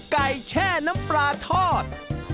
แช่น้ำปลาทอด